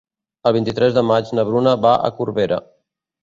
El vint-i-tres de maig na Bruna va a Corbera.